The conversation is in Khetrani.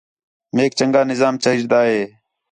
میک چنڳا نظام چاہیجدا ہے